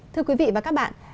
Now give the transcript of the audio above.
thưa quý vị và các bạn